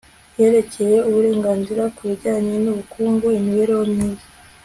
yerekeye uburenganzira ku bijyanye n ubukungu imibereho myiza